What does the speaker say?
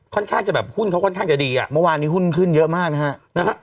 ค่อนข้างจะแบบหุ้นเขาค่อนข้างจะดีอ่ะเมื่อวานนี้หุ้นขึ้นเยอะมากนะฮะ